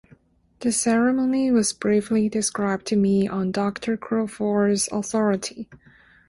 The ceremony was briefly described to me on Dr. Crawford's authority.